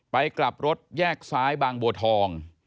กลับรถแยกซ้ายบางบัวทอง